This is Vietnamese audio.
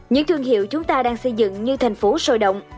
những thương hiệu chúng ta đang xây dựng như thành phố sôi động